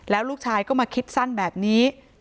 แล้วลูกชายก็มาคิดสั้นแบบนี้